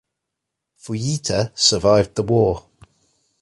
Fujita survived the war.